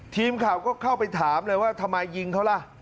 ทีมข่าวก็เข้าไปถามเลยว่าทำไมยิงเขาล่ะ